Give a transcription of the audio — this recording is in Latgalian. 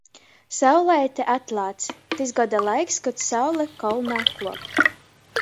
Sauleite atlāc. Tys goda laiks, kod saule kolnā kuop.